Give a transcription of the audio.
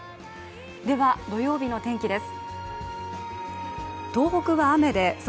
では土曜日の天気です。